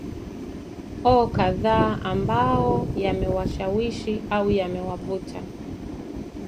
o kadhaa ambayo yamewashawishi au yamewavuta